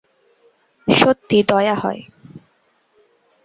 সত্যি দয়া হয়?